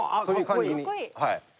そういう感じにはい。